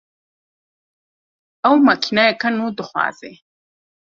Ew makîneyeka nû dixwaze